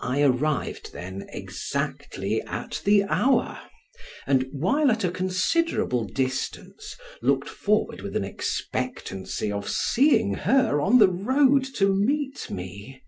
I arrived then exactly at the hour, and while at a considerable distance, looked forward with an expectancy of seeing her on the road to meet me.